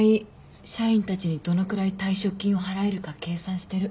社員たちにどのくらい退職金を払えるか計算してる。